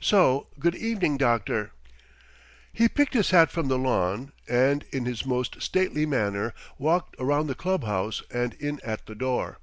So good evening, doctor." He picked his hat from the lawn, and in his most stately manner walked around the club house and in at the door.